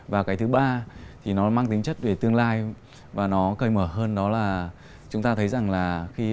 và cái thứ ba thì nó mang tính chất về tương lai và nó cởi mở hơn đó là chúng ta thấy rằng là khi